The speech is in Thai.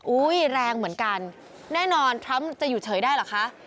แรงเหมือนกันแน่นอนทรัมป์จะอยู่เฉยได้เหรอคะ